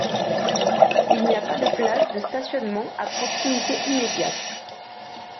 Il n'y a pas de places de stationnement à proximité immédiate.